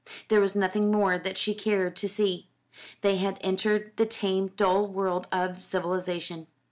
There was nothing more that she cared to see. They had entered the tame dull world of civilisation.